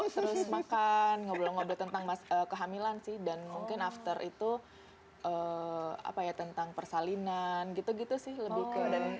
terus makan ngobrol ngobrol tentang kehamilan sih dan mungkin after itu apa ya tentang persalinan gitu gitu sih lebih ke